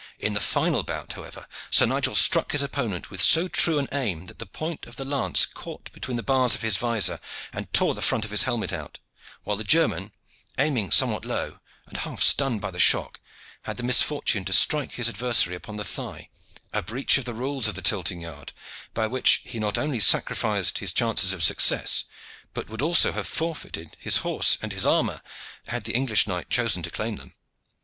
In the final bout, however, Sir Nigel struck his opponent with so true an aim that the point of the lance caught between the bars of his vizor and tore the front of his helmet out, while the German, aiming somewhat low, and half stunned by the shock, had the misfortune to strike his adversary upon the thigh, a breach of the rules of the tilting yard, by which he not only sacrificed his chances of success, but would also have forfeited his horse and his armor, had the English knight chosen to claim them.